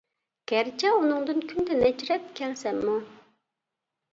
گەرچە ئۇنىڭدىن كۈندە نەچچە رەت كەلسەممۇ.